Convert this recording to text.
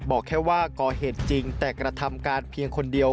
บอกแค่ว่าก่อเหตุจริงแต่กระทำการเพียงคนเดียว